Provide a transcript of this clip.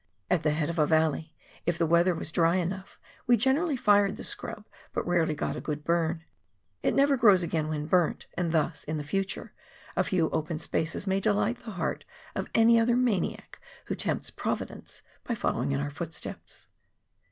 At the head of a valley, if the weather was dry enough, we gene rally fired the scrub, but rarely got a good burn ; it never grows again when burnt, and thus, in the future, a few open spaces may delight the heart of any other maniac who tempts Providence by following in our footsteps.